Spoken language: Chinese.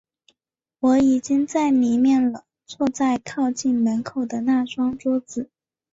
我已经在里面了，坐在靠近门口的那张桌子。